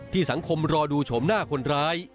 สังคมรอดูโฉมหน้าคนร้าย